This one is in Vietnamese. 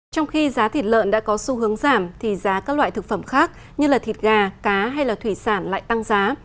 trong khi giá thịt lợn đã có xu hướng giảm thì giá các loại thực phẩm khác như thịt gà cá hay thủy sản lại tăng giá